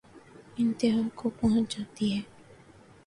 انتہا کو پہنچ جاتی ہے